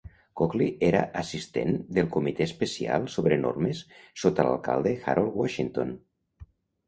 Cokely era assistent del comitè especial sobre normes sota l'alcalde Harold Washington.